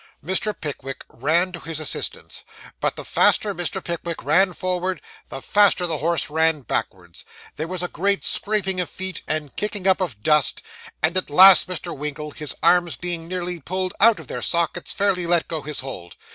Mr. Pickwick ran to his assistance, but the faster Mr. Pickwick ran forward, the faster the horse ran backward. There was a great scraping of feet, and kicking up of the dust; and at last Mr. Winkle, his arms being nearly pulled out of their sockets, fairly let go his hold.